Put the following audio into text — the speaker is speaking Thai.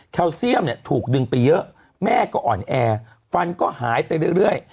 เซียมเนี่ยถูกดึงไปเยอะแม่ก็อ่อนแอฟันก็หายไปเรื่อย